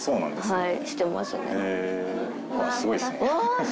はい。